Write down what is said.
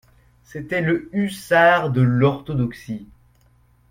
C'était le hussard de l'orthodoxie …